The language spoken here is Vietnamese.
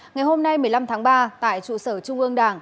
ngày hôm nay một mươi năm tháng ba tại trụ sở trung ương đảng